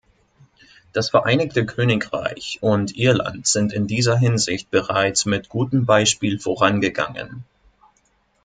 Das Vereinigte Königreich und Irland sind in dieser Hinsicht bereits mit gutem Beispiel vorangegangen.